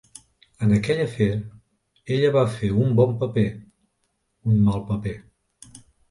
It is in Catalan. En aquell afer, ella va fer un bon paper, un mal paper.